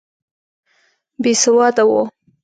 بېسواده وو.